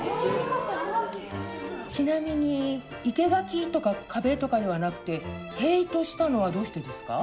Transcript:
ちなみに生け垣とか壁とかではなくて塀としたのはどうしてですか？